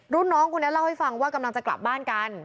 น้องคนนี้เล่าให้ฟังว่ากำลังจะกลับบ้านกัน